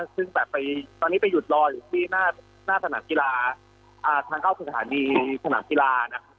ซึ่งตอนนี้ไปหยุดรออยู่ที่หน้าสนามกีฬาทางเข้าสถานีสนามกีฬานะครับ